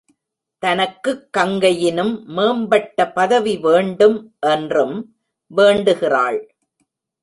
தனக்குக் கங்கையினும் மேம்பட்ட பதவி வேண்டும் என்றும் வேண்டுகிறாள்.